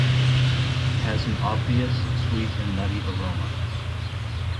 It has an obvious sweet and nutty aroma.